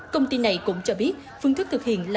công ty này cũng cho biết phương thức thực hiện là